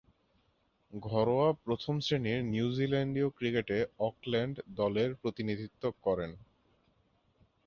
ঘরোয়া প্রথম-শ্রেণীর নিউজিল্যান্ডীয় ক্রিকেটে অকল্যান্ড দলের প্রতিনিধিত্ব করেন।